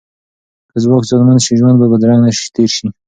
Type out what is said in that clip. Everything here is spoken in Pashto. که ځواک زیانمن شي، ژوند به بدرنګ تیر شي.